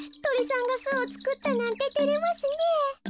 トリさんがすをつくったなんててれますねえ。